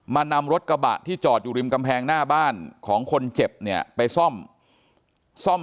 นำรถกระบะที่จอดอยู่ริมกำแพงหน้าบ้านของคนเจ็บเนี่ยไปซ่อมซ่อม